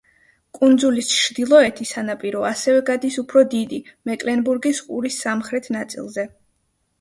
კუნძულის ჩრდილოეთი სანაპირო ასევე გადის უფრო დიდი, მეკლენბურგის ყურის სამხრეთ ნაწილზე.